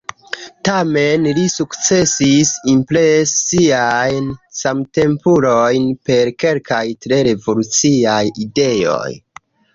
Tamen li sukcesis impresi siajn samtempulojn per kelkaj tre revoluciaj ideoj.